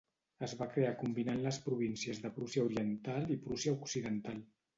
Es va crear combinant les províncies de Prússia oriental i Prússia occidental.